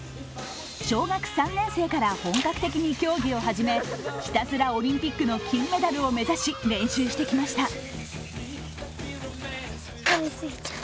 小学３年生から本格的に競技を始めひたすらオリンピックの金メダルを目指し練習してきました。